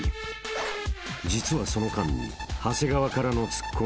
［実はその間に長谷川からのツッコミは］